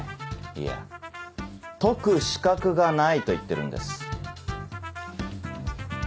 いや解く資格がないと言ってるんです。